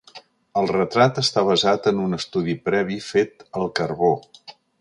El retrat està basat en un estudi previ fet al carbó.